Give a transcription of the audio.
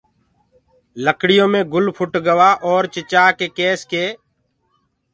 لڪڙيو مي گُل ڦُٽ گوآ اورَ چِچآڪي ڪيس ڪي